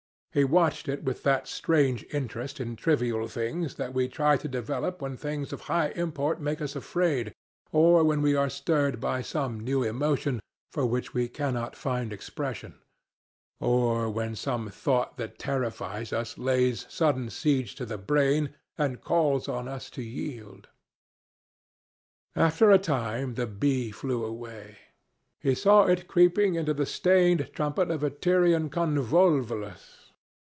He watched it with that strange interest in trivial things that we try to develop when things of high import make us afraid, or when we are stirred by some new emotion for which we cannot find expression, or when some thought that terrifies us lays sudden siege to the brain and calls on us to yield. After a time the bee flew away. He saw it creeping into the stained trumpet of a Tyrian convolvulus.